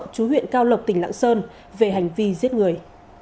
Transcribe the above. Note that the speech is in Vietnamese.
chú huyện cao lộc tỉnh lạng sơn về hành vi giết người